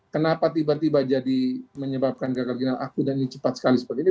kenapa tiba tiba jadi menyebabkan gagal ginal aku dan ini cepat sekali seperti ini